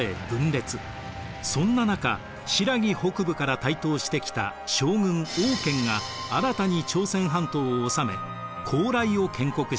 そんな中新羅北部から台頭してきた将軍王建が新たに朝鮮半島を治め高麗を建国しました。